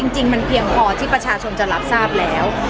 จริงมันเพียงพอที่ประชาชนจะรับทราบแล้ว